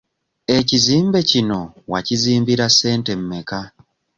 Ekizimbe kino wakizimbira ssente mmeka?